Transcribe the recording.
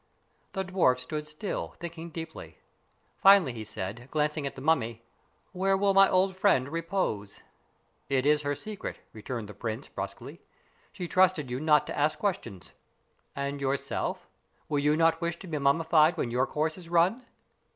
The dwarf stood still, thinking deeply. Finally he said, glancing at the mummy: "Where will my old friend repose?" "It is her secret," returned the prince, brusquely. "She trusted you not to ask questions." "And yourself? Will you not wish to be mummified when your course is run?"